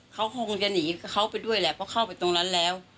เขาคงจะหนีเขาไปด้วยแหละเพราะเข้าไปตรงนั้นแล้ว